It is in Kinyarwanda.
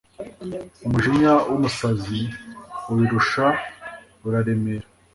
umujinya w'umusazi ubirusha uraremera